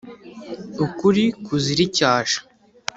ukuri kuzira icyasha”